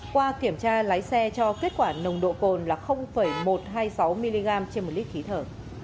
qua kiểm tra lái xe cho kết quả nồng độ cồn là một trăm hai mươi sáu mg trên một lít khí thở